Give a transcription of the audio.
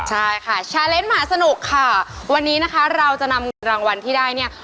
ใช่ค่ะชาเล้นหมาสนุกค่ะวันนี้นะคะเราจะนำเงินรางวัลที่ได้เนี่ย